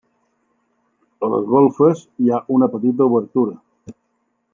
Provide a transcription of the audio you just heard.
A les golfes hi ha una petita obertura.